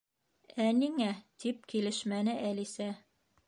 —Ә ниңә? —тип килешмәне Әлисә.